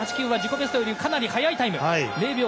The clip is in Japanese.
ベストよりかなり速いタイム。